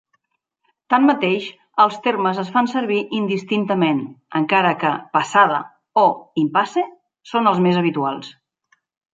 Tanmateix, els termes es fan servir indistintament, encara que "passada" o "impasse" són els més habituals.